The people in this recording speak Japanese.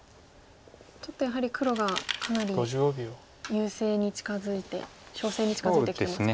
ちょっとやはり黒がかなり優勢に近づいて勝勢に近づいてますか？